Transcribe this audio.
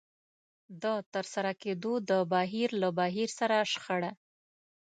د ترسره کېدو د بهير له بهير سره شخړه.